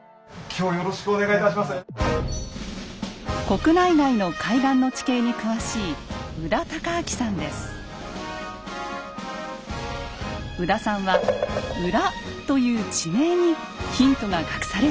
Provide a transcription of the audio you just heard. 国内外の海岸の地形に詳しい宇多さんは「浦」という地名にヒントが隠されているといいます。